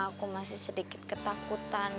aku masih sedikit ketakutan